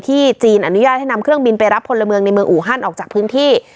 จีนอนุญาตให้นำเครื่องบินไปรับพลเมืองในเมืองอูฮันออกจากพื้นที่